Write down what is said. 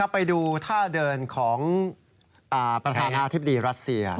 ไปดูท่าเดินของประธานาธิบดีรัสเซีย